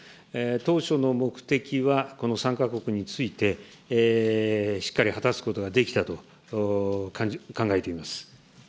当初の目的は、この３か国について、しっかり果たすことができたと考えています。